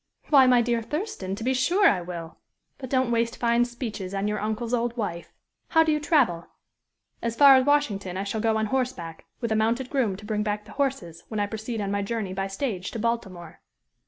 "Why, my dear Thurston, to be sure I will but don't waste fine speeches on your uncle's old wife. How do you travel?" "As far as Washington I shall go on horseback, with a mounted groom to bring back the horses, when I proceed on my journey by stage to Baltimore."